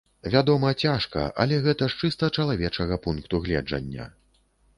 Вядома, цяжка, але гэта з чыста чалавечага пункту гледжання.